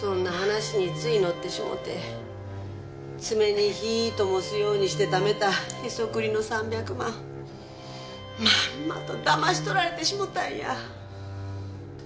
爪に火ぃともすようにしてためたへそくりの３００万まんまと騙し取られてしもたんや。